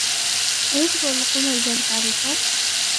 أيجب أن أقوم بذلك على الفور ؟